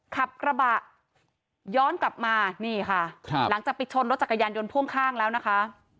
ขับกระบะย้อนกลับมานี่ค่ะครับหลังจากไปชนรถจักรยานยนต์พ่วงข้างแล้วนะคะ